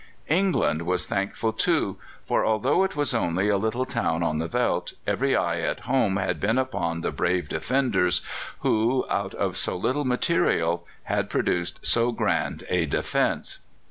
England was thankful too, for although it was only a little town on the veldt, every eye at home had been upon the brave defenders who, out of so little material, had produced so grand a defence.